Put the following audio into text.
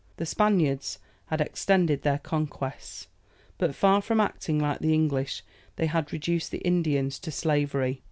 The Spaniards had extended their conquests; but, far from acting like the English, they had reduced the Indians to slavery.